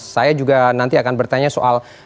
saya juga nanti akan bertanya soal